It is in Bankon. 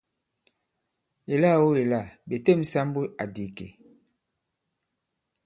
Èlâ-o èla! Ɓè têm ɓe sāmbu àdì ìkè.